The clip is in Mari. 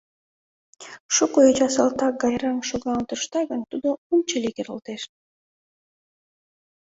Шуко йоча салтак гай рыҥ шогалын тӧршта гын, тудо унчыли керылтеш.